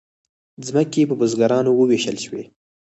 ځمکې په بزګرانو وویشل شوې.